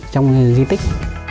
trong di tích